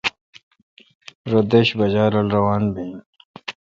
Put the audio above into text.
رو دش باجہ رل روان بین۔